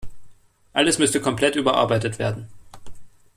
Alles müsste komplett überarbeitet werden.